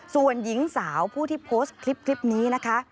ส่วนหญิงสาวผู้ที่โพสต์คลิปนี้นะคะ